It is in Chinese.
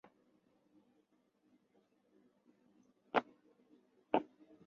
薄荷醇等多种成分有明显的利胆作用。